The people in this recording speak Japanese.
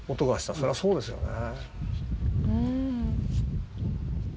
そりゃそうですよね。